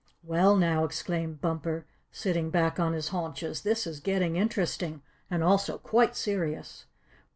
"Well, now," exclaimed Bumper, sitting back on his haunches, "this is getting interesting, and also quite serious.